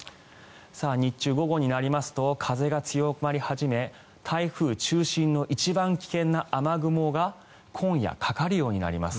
日中、午後になりますと風が強まり始め台風中心の一番危険な雨雲が今夜、かかるようになります。